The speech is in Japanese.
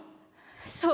そう。